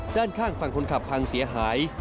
ด้านข้างฝั่งคนขับพังเสียหาย